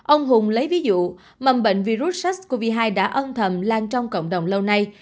ông hùng lấy ví dụ mầm bệnh virus sars cov hai đã âm thầm lan trong cộng đồng lâu nay